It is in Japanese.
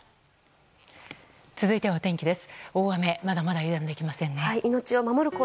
続いては天気です。